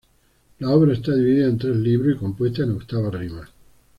La obra está dividida en tres libros y compuesta en octava rima.